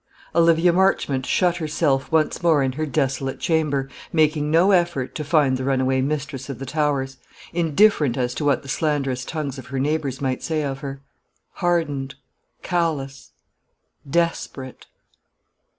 Olivia Marchmont shut herself once more in her desolate chamber, making no effort to find the runaway mistress of the Towers; indifferent as to what the slanderous tongues of her neighbours might say of her; hardened, callous, desperate.